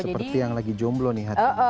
seperti yang lagi jomblo nih